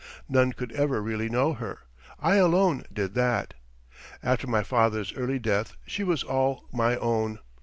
None could ever really know her I alone did that. After my father's early death she was all my own.